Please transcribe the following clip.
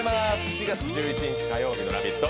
４月１１日火曜日の「ラヴィット！」